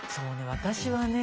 私はね